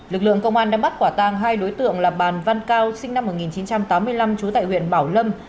lực lượng công an đã bắt quả tang hai đối tượng là bàn văn cao sinh năm một nghìn chín trăm tám mươi năm trú tại huyện bảo lâm